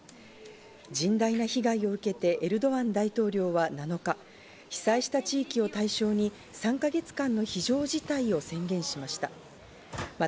甚大な被害を受けてエルドアン大統領は７日、被災した地域を対象に、３か月間の非常事態を宣言しました。